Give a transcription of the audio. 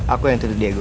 aku yang tuntut diego